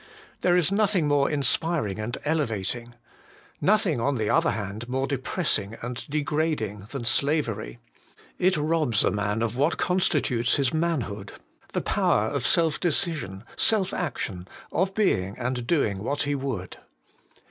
There is nothing more inspiring and elevating; nothing, on the other hand, more depressing and degrading than slavery. It robs a man of what constitutes his manhood, the power of self decision, self action, of being and doing what he would.